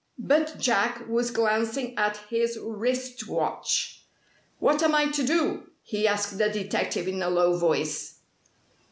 But Jack was glancing at his wrist watch. "What am I to do?" he asked the detective in a low voice.